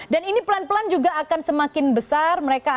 dan ini pelan pelan juga akan semakin besar